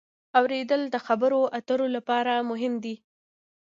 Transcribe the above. اورېدل د خبرو اترو لپاره مهم دی.